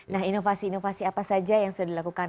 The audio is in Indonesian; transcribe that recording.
nah inovasi inovasi apa saja yang sudah dilakukan